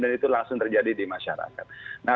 dan dengan keinginan masyarakat